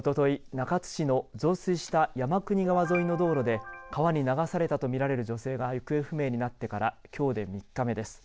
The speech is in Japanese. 中津市の増水した山国川沿いの道路で川に流されたと見られる女性が行方不明になってからきょうで３日目です。